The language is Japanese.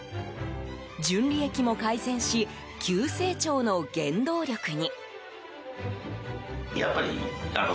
純利益も改善し急成長の原動力に。